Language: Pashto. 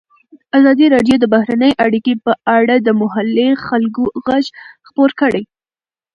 ازادي راډیو د بهرنۍ اړیکې په اړه د محلي خلکو غږ خپور کړی.